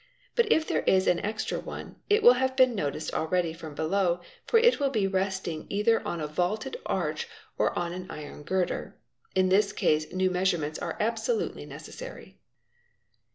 But if there is i 'am extra one, it will have been noticed already from. below, for it will be esting either on a vaulted arch or on an iron girder. In this case new measurements are absolutely necessary.